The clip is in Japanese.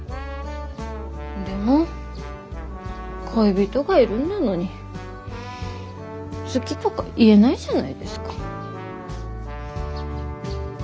でも恋人がいるんだのに好きとか言えないじゃないですか。